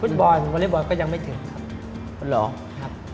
ฟุตบอร์ดวอลลี่บอร์ดก็ยังไม่ถึงครับ